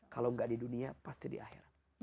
kalau nggak di dunia pasti di akhirat